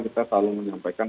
kita selalu menyampaikan